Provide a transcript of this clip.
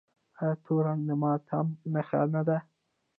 آیا تور رنګ د ماتم نښه نه ده؟